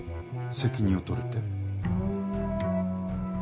責任を取るって？